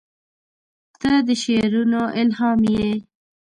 • ته د شعرونو الهام یې.